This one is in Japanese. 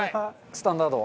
スタンダード。